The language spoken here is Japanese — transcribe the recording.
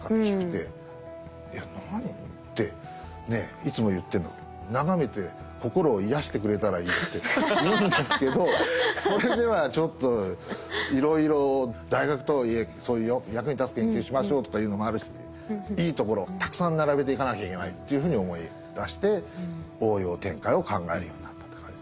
いつも言ってるのがって言うんですけどそれではちょっといろいろ大学とはいえそういう役に立つ研究しましょうとかいうのもあるしいいところをたくさん並べていかなきゃいけないっていうふうに思いだして応用展開を考えるようになったって感じで。